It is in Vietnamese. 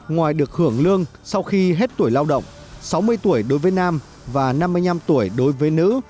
ngoài được hưởng lương sau khi hết tuổi lao động sáu mươi tuổi đối với nam và năm mươi năm tuổi đối với nữ